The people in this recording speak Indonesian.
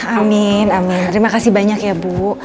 amin amin terima kasih banyak ya bu